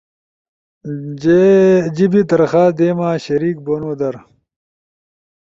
جیِبی درخواست دیما، شریک بونو در